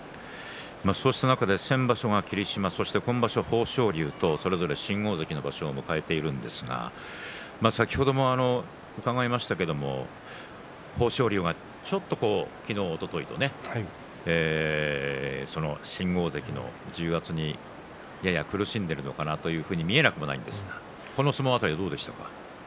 そうした中で先場所が霧島、今場所は豊昇龍と新大関の場所を迎えているんですが先ほども伺いましたけれども豊昇龍がちょっと昨日おとといと新大関の重圧にやや苦しんでいるのかなというふうに見えなくもないんですがこの相撲あたりはどうでしたか？